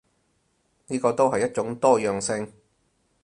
呢個都係一種多樣性